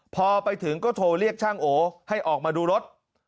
พอไปถึงก็โทรเรียกช่างโอให้ออกมาดูรถ